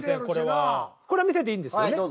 これは見せていいんですよね。